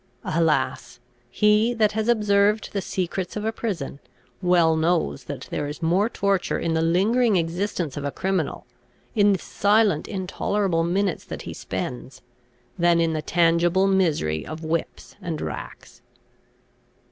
Alas! he that has observed the secrets of a prison, well knows that there is more torture in the lingering existence of a criminal, in the silent intolerable minutes that he spends, than in the tangible misery of whips and racks!